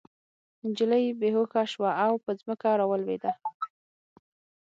نجلۍ بې هوښه شوه او په ځمکه راولوېده